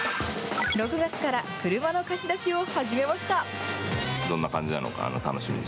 ６月から車の貸し出しを始めました。